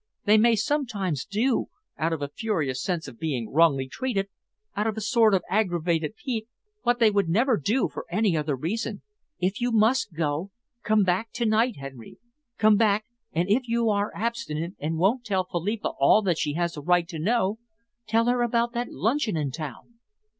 They may sometimes do, out of a furious sense of being wrongly treated, out of a sort of aggravated pique, what they would never do for any other reason. If you must go, come back to night, Henry. Come back, and if you are obstinate, and won't tell Philippa all that she has a right to know, tell her about that luncheon in town."